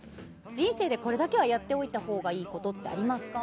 人生でこれだけはやっておいたほうがいいことありますか？